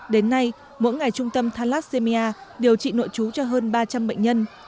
đến nay mỗi ngày trung tâm thalassemia điều trị nội chú cho hơn ba trăm linh bệnh nhân